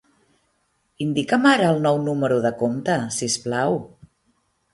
Indica'm ara el nou número de compte, si us plau.